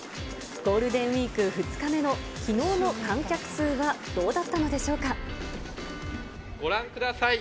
ゴールデンウィーク２日目のきのうの観客数はどうだったのでしょご覧ください。